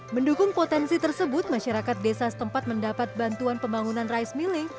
mendukung potensi tersebut masyarakat desa setempat mendapat bantuan pembangunan rice milling